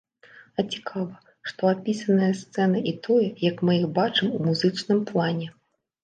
А цікава, што апісаныя сцэны і тое, як мы іх бачым ў музычным плане.